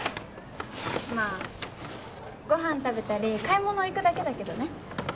まあご飯食べたり買い物行くだけだけどね。